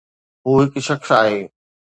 هو هڪ شخص آهي.